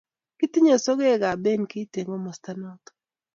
Kitinye sokek ab benkit eng kamasta noto